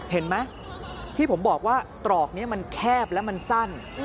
เห็นไหมที่ผมบอกว่าตรอกนี้มันแคบและมันสั้น